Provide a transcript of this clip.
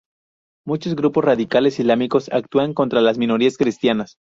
Muchos grupos radicales islámicos actúan contra las minorías cristianas.